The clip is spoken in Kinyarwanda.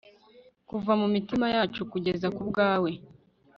kuva mu mitima yacu kugeza ku bwawe